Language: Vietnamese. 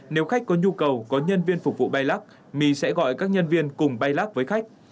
nếu khách có nhu cầu có nhân viên phục vụ bay lắc my sẽ gọi các nhân viên cùng bay lác với khách